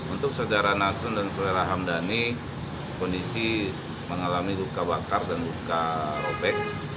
untuk saudara nasrun dan saudara hamdani kondisi mengalami luka bakar dan luka robek